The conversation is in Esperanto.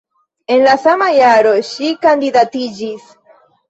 En la sama jaro ŝi kandidatiĝis.